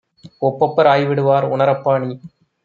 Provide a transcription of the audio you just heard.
ஒப்பப்பர் ஆய்விடுவார் உணரப்பாநீ!